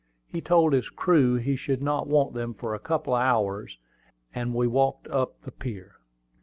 He told his crew he should not want them for a couple of hours, and we walked up the pier.